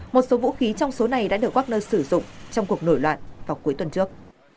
một số vũ khí trong số này đã được wagner sử dụng trong cuộc nổi loạn vào cuối tuần trước